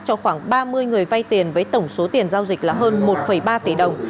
cho khoảng ba mươi người vay tiền với tổng số tiền giao dịch là hơn một ba tỷ đồng